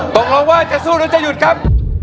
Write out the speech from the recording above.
ตกลงว่าจะสู้หรือจะหยุดครับ